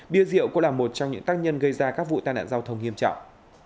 bia rượu cũng là một trong những tác nhân gây ra các vụ tai nạn giao thông nghiêm trọng